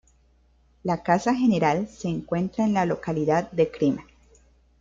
La casa general se encuentra en la localidad de Crema.